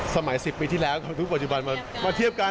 สมัย๑๐ปีที่แล้วทุกปัจจุบันมาเทียบกัน